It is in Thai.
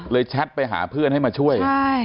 แชทไปหาเพื่อนให้มาช่วย